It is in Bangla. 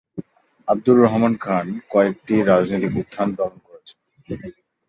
আবদুর রহমান খান কয়েকটি রাজনৈতিক উত্থান দমন করেছেন।